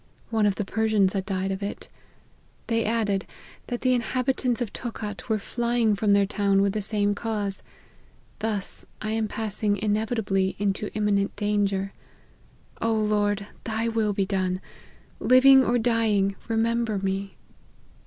One of the Persians had died of it. They added, that the inhabitants of Tocat were flying from their town from the same cause. Thus I am passing inevitably into imminent dan ger. O Lord, thy will be done ! Living or dying, remember me